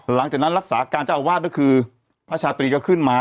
หลังจากนั้นรักษาการเจ้าอาวาสก็คือพระชาตรีก็ขึ้นมา